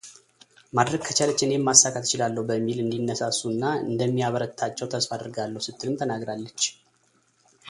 ማድረግ ከቻለች እኔም ማሳካት እችላለሁ በሚል እንዲነሳሱ እና እንደሚያበረታቸው ተስፋ አደርጋለሁ ስትልም ተናግራለች።